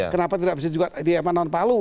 kenapa tidak bisa juga di non palu